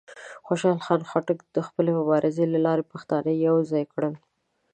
خوشحال خان خټک د خپلې مبارزې له لارې پښتانه یوځای کړل.